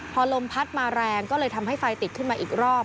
พอลมพัดมาแรงก็เลยทำให้ไฟติดขึ้นมาอีกรอบ